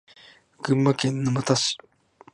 群馬県沼田市